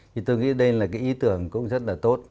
thì tôi nghĩ đây là cái ý tưởng cũng rất là tốt